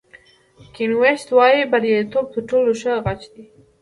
کین ویست وایي بریالیتوب تر ټولو ښه غچ دی.